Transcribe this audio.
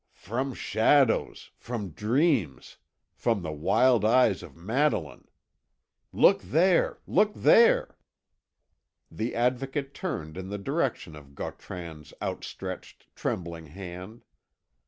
"From shadows from dreams from the wild eyes of Madeline! Look there look there!" The Advocate turned in the direction of Gautran's outstretched trembling hand.